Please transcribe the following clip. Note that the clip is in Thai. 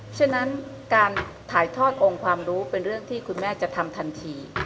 ฉะนั้นการถ่ายทอดองค์ความรู้เป็นเรื่องที่คุณแม่จะทำทันที